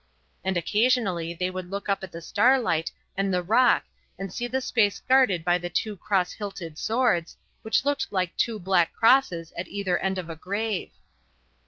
And occasionally they would look up at the starlight and the rock and see the space guarded by the two cross hilted swords, which looked like two black crosses at either end of a grave.